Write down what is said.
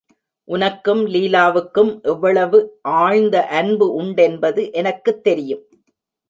உனக்கும் லீலாவுக்கும் எவ்வளவு ஆழ்ந்த அன்பு உண்டென்பது எனக்குத் தெரியும்.